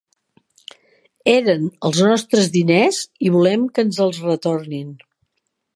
Eren els nostres diners i volem que ens els retornin.